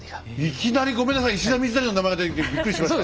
いきなりごめんなさい石田三成の名前が出てきてびっくりしました。